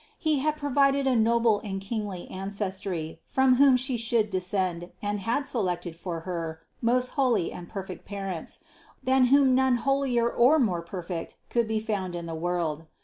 He had provided a noble and kingly ancestry from whom She should descend and had selected for Her most holy and perfect parents, than whom none holier or more perfect could be found in the world.